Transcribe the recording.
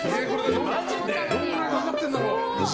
どのぐらいかかってるんだろう。